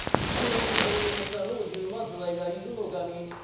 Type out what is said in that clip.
これを見ておりました老中松平伊豆守。